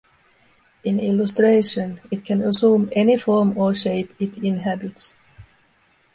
In illustration, it can assume any form or shape it inhabits.